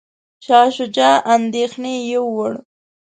شاه شجاع اندیښنې یووړ.